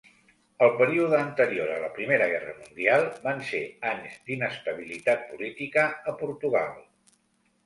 El període anterior a la Primera Guerra Mundial van ser anys d'inestabilitat política a Portugal.